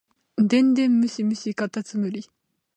電電ムシムシかたつむり